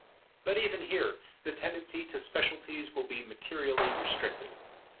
But even here the tendency to specialities will be materially restricted.